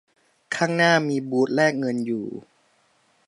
ข้างหน้ามีบูธแลกเงินอยู่